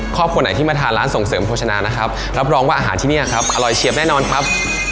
ครอบครัวไหนที่มาทานร้านส่งเสริมโภชนานะครับรับรองว่าอาหารที่นี่ครับอร่อยเชียบแน่นอนครับ